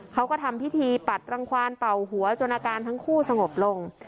เขาก็ทำพิธีปัดรังความเป่าหัวจนอาการทั้งคู่สงบลง